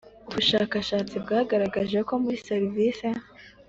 Ubushakashatsi bwagaragaje ko muri serivisi